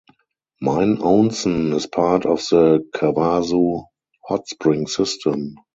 Mine Onsen is part of the Kawazu hot spring system.